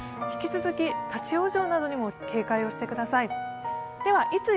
引き続き、立往生などにも警戒をしてください。